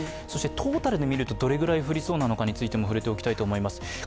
トータルで見るとどれくらい降りそうなのかについても見ていきます。